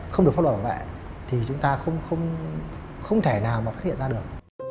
không được pháp luật bảo vệ thì chúng ta không thể nào mà có thể hiện ra được